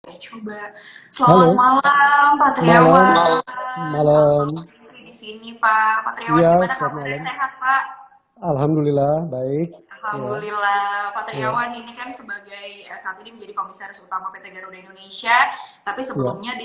hai coba soal malam patriarang malam sini pak alhamdulillah baik alhamdulillah ini kan sebagai